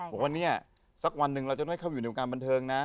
บอกว่าเนี่ยสักวันหนึ่งเราจะไม่เข้าไปอยู่ในวงการบันเทิงนะ